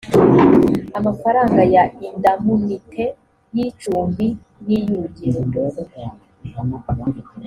amafaranga ya indamunite y’icumbi n’iy’urugendo